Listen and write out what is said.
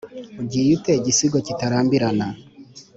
ugiye ute gisigo kitarambirana?